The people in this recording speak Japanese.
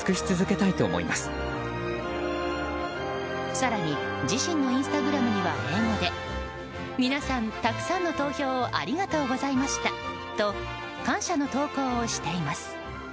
更に自身のインスタグラムには英語で皆さん、たくさんの投票をありがとうございましたと感謝の投稿をしています。